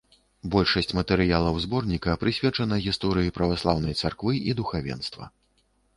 Большасць матэрыялаў зборніка прысвечана гісторыі праваслаўнай царквы і духавенства.